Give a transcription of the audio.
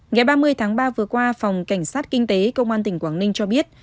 ngày ba mươi tháng ba vừa qua phòng cảnh sát kinh tế công an tỉnh quảng ninh cho biết